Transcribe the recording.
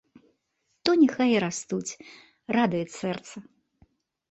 То няхай і растуць, радуюць сэрца.